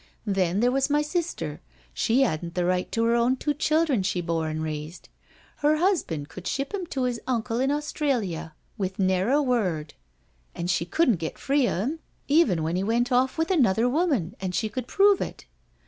Then there was my sister, she hadn't the right to her own two children she bore and raised. Her husband could ship 'em to his uncle in Australia with never a word—an* she couldn't get free of 'im, even when he went off with another woman, an' she could prove it.